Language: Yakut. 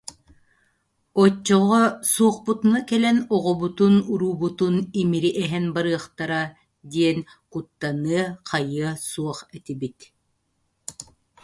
Оччоҕо «суохпутуна кэлэн, оҕобутун-уруубутун имири эһэн барыахтара» диэн куттаныа-хайыа суох этибит